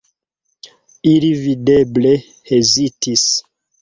Ili videble hezitis.